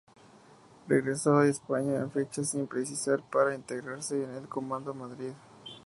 Regresó a España en fecha sin precisar para integrase en el comando Madrid.